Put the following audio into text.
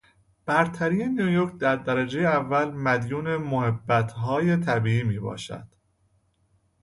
برتری نیویورک در درجهی اول مدیون موهبت های طبیعی میباشد.